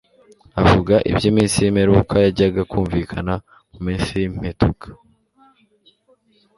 avuga iby'iminsi y'imperuka yajyaga kumvikana mu minsi y'impetuka.